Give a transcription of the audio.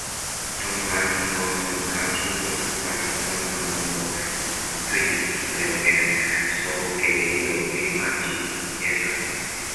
中华民国审查制度是关于中华民国政府对于自由权所给予的规范及约束。